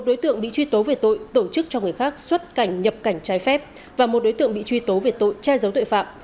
một đối tượng bị truy tố về tội tổ chức cho người khác xuất cảnh nhập cảnh trái phép và một đối tượng bị truy tố về tội che giấu tội phạm